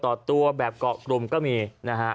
พอพาไปดูก็จะพาไปดูที่เรื่องของเครื่องบินเฮลิคอปเตอร์ต่าง